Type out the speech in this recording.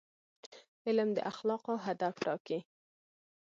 علم د اخلاقو هدف ټاکي.